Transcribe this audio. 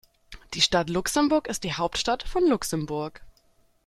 Die Stadt Luxemburg ist die Hauptstadt von Luxemburg.